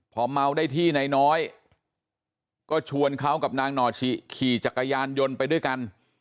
พอเมาได้ที่นายน้อยก็ชวนเขากับนางนอชิขี่จักรยานยนต์ไปด้วยกัน